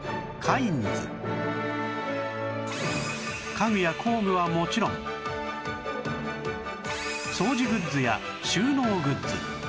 家具や工具はもちろん掃除グッズや収納グッズ